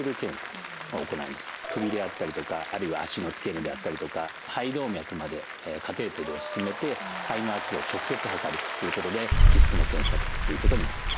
首であったりとかあるいは脚の付け根であったりとか肺動脈までカテーテルを進めて肺の圧を直接測るということで必須の検査ということになります。